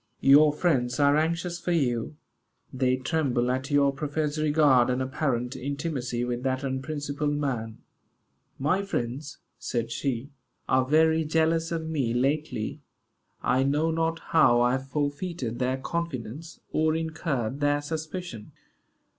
Your friends are anxious for you. They tremble at your professed regard and apparent intimacy with that unprincipled man." "My friends," said she, "are very jealous of me lately. I know not how I have forfeited their confidence, or incurred their suspicion."